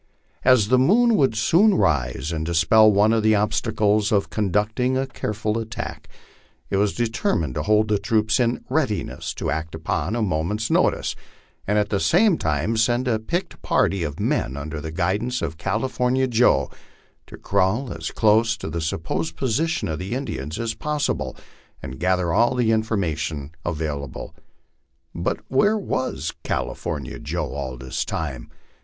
As the moon would soon rise and dispel one of the obstacles to conducting a careful attack, it wa determined to hold the troops in readiness to act upon a moment's notice, and at the same time send a picked party of men, under guidance of California Joe, to crawl as close to the supposed position of the Indians as possible, and gather all the information available. But where was California Joe all this time?